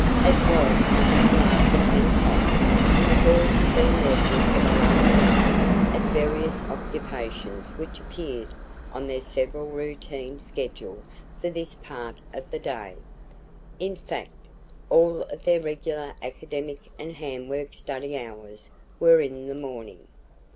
It was a little after 10 o'clock and the girls had been working for the last hour at various occupations which appeared on their several routine schedules for this part of the day. In fact, all of their regular academic and handwork study hours were in the morning.